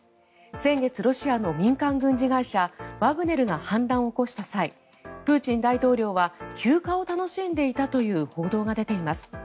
先月、ロシアの民間軍事会社ワグネルが反乱を起こした際プーチン大統領は休暇を楽しんでいたという報道が出ています。